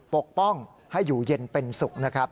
ปกป้องให้อยู่เย็นเป็นสุขนะครับ